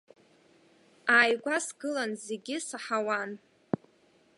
Ааигәа сгылан, зегь саҳауан.